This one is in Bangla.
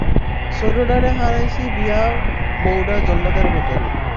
ছোডডারে হরাইছি বিয়া বউডা জল্লাদের মতোন।